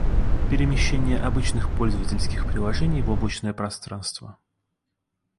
Перемещение обычных пользовательских приложений в облачное пространство.